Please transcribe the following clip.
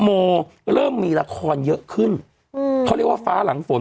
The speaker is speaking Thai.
โมเริ่มมีละครเยอะขึ้นอืมเขาเรียกว่าฟ้าหลังฝน